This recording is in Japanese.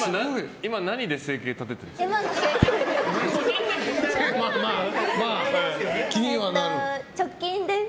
今、何で生計立ててるんですか。